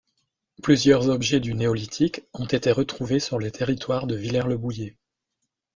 Plusieurs objets du néolithique ont été retrouvés sur le territoire de Villers-le-Bouillet.